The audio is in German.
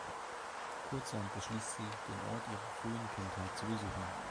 Kurzerhand beschließt sie, den Ort ihrer frühen Kindheit zu besuchen.